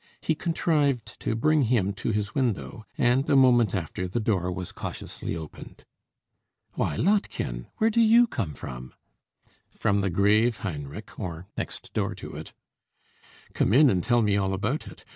He contrived to bring him to his window, and a moment after, the door was cautiously opened. "Why, Lottchen, where do you come from?" "From the grave, Heinrich, or next door to it." "Come in, and tell me all about it.